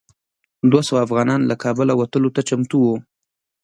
دوه سوه افغانان له کابله وتلو ته چمتو وو.